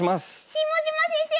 下島先生